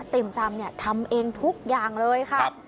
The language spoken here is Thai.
ติ่มซำเนี่ยทำเองทุกอย่างเลยค่ะ